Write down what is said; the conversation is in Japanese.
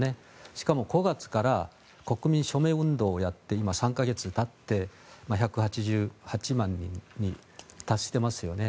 しかも５月から国民署名運動をやって今、３か月たって１８８万人に達していますよね。